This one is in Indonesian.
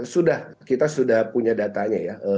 sudah kita sudah punya datanya ya